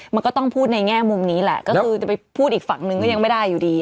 มันก็ต้องพูดในแง่มุมนี้แหละก็คือจะไปพูดอีกฝั่งนึงก็ยังไม่ได้อยู่ดี